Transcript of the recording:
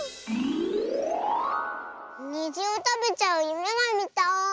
にじをたべちゃうゆめがみたい！